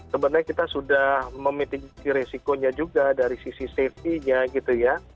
sebenarnya kita sudah memitiki resikonya juga dari sisi safety nya